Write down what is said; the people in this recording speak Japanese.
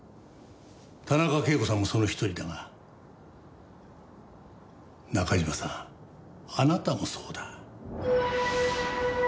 田中啓子さんもその一人だが中島さんあなたもそうだ。